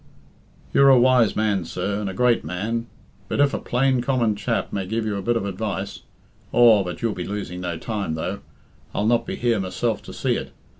"You're a wise man, sir, and a great man, but if a plain common chap may give you a bit of advice aw, but you'll be losing no time, though, I'll not be here myself to see it.